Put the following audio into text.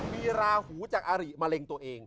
มีราหูจากอาริมะเร็งตัวเอง